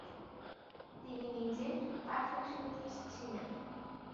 তিনি নিজে পারফেকশনিস্ট ছিলেন।